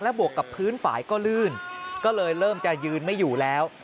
บวกกับพื้นฝ่ายก็ลื่นก็เลยเริ่มจะยืนไม่อยู่แล้ว